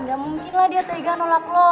gak mungkin lah dia tega nolak nolak